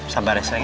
sabar ya sayangnya